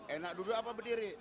enak dulu apa berdiri